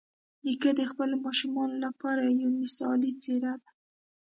نیکه د خپلو ماشومانو لپاره یوه مثالي څېره ده.